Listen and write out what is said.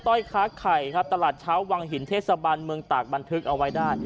้อยค้าไข่ครับตลาดเช้าวังหินเทศบันเมืองตากบันทึกเอาไว้ได้